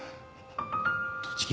栃木